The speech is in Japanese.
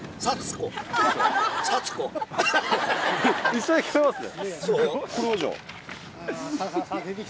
「さつ」に聞こえますね。